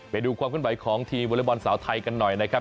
ไปดูคุณคุ้มไบของทีมวอลเลอร์บอนสาวไทยกันหน่อยนะครับ